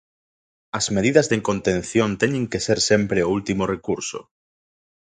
As medidas de contención teñen que ser sempre o último recurso.